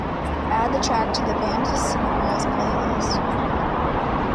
Add the track to the bandas sonoras playlist.